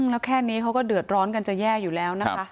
แล้วแค่นี้เขาก็เดือดร้อนกันจะแย่อยู่แล้วนะคะ